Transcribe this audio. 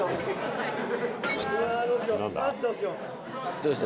どうした？